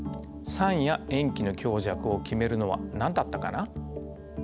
酸や塩基の強弱を決めるのは何だったかな？